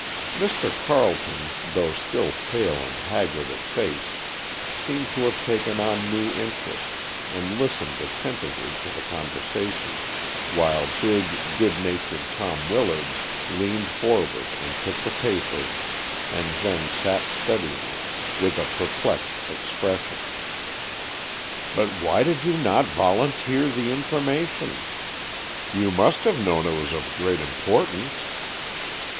Mr. Carleton, though still pale and haggard of face, seemed to have taken on new interest, and listened attentively to the conversation, while big, good natured Tom Willard leaned forward and took the paper, and then sat studying it, with a perplexed expression. "But why did you not volunteer the information? You must have known it was of great importance."